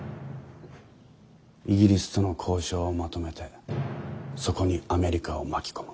イギリスとの交渉をまとめてそこにアメリカを巻き込む。